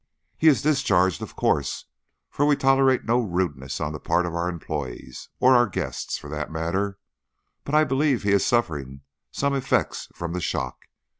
"He is discharged, of course, for we tolerate no rudeness on the part of our employees or our guests, for that matter; but I believe he is suffering some effects from the shock.